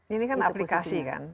ini kan aplikasi kan